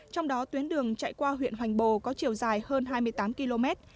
trong đó tuyến đường chạy qua huyện hoành bồ có chiều dài hơn hai mươi tám km